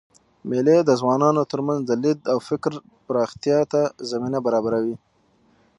مېلې د ځوانانو ترمنځ د لید او فکر پراختیا ته زمینه برابروي.